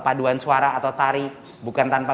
paduan suara atau tari bukan tanpa